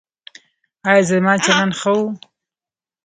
ایا زما چلند ښه و؟